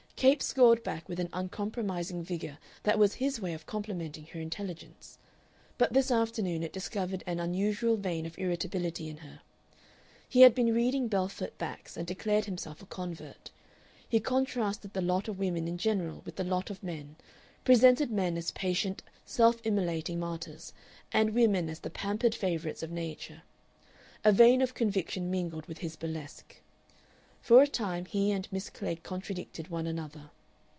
Capes scored back with an uncompromising vigor that was his way of complimenting her intelligence. But this afternoon it discovered an unusual vein of irritability in her. He had been reading Belfort Bax, and declared himself a convert. He contrasted the lot of women in general with the lot of men, presented men as patient, self immolating martyrs, and women as the pampered favorites of Nature. A vein of conviction mingled with his burlesque. For a time he and Miss Klegg contradicted one another.